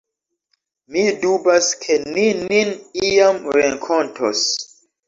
Mi dubas, ke ni nin iam renkontos.